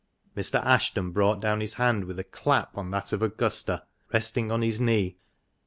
Mr. Ashton brought down his hand with a clap on that of Augusta, resting on his knee.